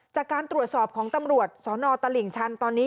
จากการตรวจสอบของตำรวจสนตลิ่งชันตอนนี้